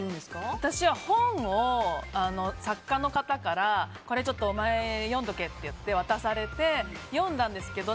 私は本を、作家の方からこれちょっとお前読んどけって渡されて、読んだんですけど。